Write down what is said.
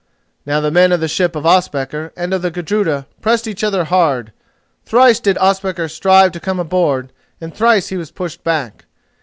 Now the men of the ship of Ospakar and of the Gudruda pressed each other hard. Thrice did Ospakar strive to come aboard and thrice he was pushed back.